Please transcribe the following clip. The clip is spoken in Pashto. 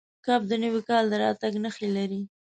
کب د نوي کال د راتګ نښې لري.